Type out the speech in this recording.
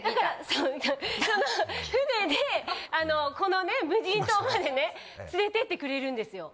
その船であのこのね無人島までね連れてってくれるんですよ。